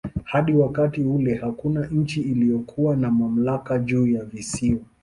Hadi wakati ule hakuna nchi iliyokuwa na mamlaka juu ya visiwa.